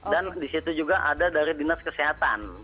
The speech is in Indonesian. dan disitu juga ada dari dinas kesehatan